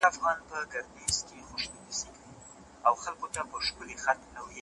تر ټولو ښه خبره دا ده چي مزاج یې څېړنیز وي.